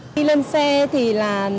khi lên xe thì là